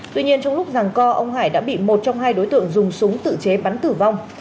tuy nhiên trong lúc rằng co ông hải đã bị một trong hai đối tượng dùng súng tự chế bắn tử vong